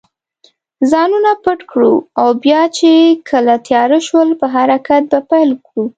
ځانونه پټ کړو او بیا چې کله تېاره شول، په حرکت به پیل وکړو.